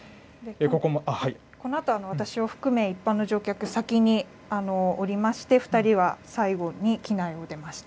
このあと、私を含め一般の乗客、先に降りまして、２人は最後に機内を出ました。